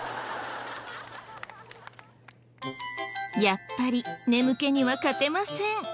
やっぱり眠気には勝てません。